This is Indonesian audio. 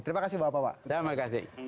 terima kasih bapak bapak